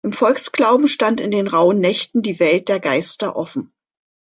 Im Volksglauben stand in den rauen Nächten die Welt der Geister offen.